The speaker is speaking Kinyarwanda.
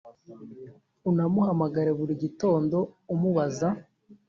unamuhamagare buri gitondo umubaza